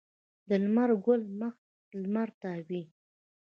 د لمر ګل مخ لمر ته وي